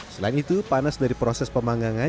selain itu panas dari proses pemanggangan